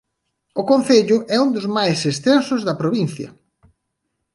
O concello é un dos máis extensos da provincia.